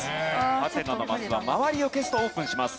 ハテナのマスは周りを消すとオープンします。